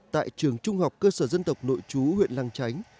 tại trường trung học cơ sở dân tộc nội chú huyện lăng chánh